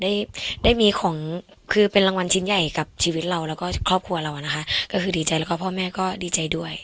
ได้ได้มีของคือเป็นรางวัลชิ้นใหญ่กับชีวิตเราแล้วก็ครอบครัวเราอ่ะนะคะก็คือดีใจแล้วก็พ่อแม่ก็ดีใจด้วย